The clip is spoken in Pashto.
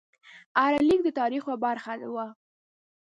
هر لیک د تاریخ یوه برخه وه.